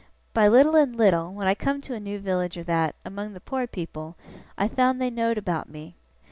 By little and little, when I come to a new village or that, among the poor people, I found they know'd about me.